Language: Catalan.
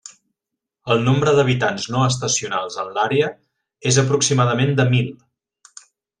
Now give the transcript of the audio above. El nombre d'habitants no estacionals en l'àrea és aproximadament de mil.